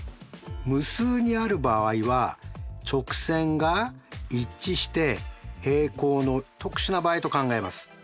無数にある場合は直線が一致して平行の特殊な場合と考えます。